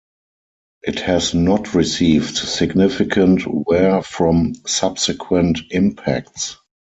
It has not received significant wear from subsequent impacts.